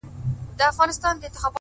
شراب ترخه ترخو ته دي، و موږ ته خواږه،